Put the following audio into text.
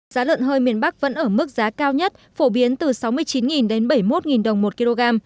giá lợn hơi miền bắc vẫn ở mức giá cao nhất phổ biến từ sáu mươi chín đến bảy mươi một đồng một kg